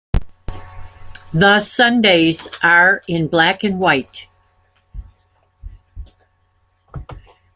The Sundays are in black and white.